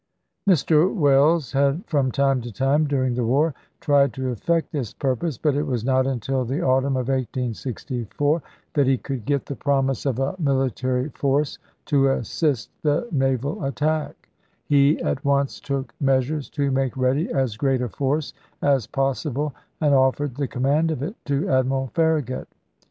Mr. Welles had from time to time during the war tried to effect this purpose, but it was not until the autumn of 1864 that he could get the promise of a FOBT FISHEE AND WILMINGTON 55 military force to assist the naval attack. He at chap. hi. once took measures to make ready as great a force as possible and offered the command of it to weiiesto Admiral Farragut.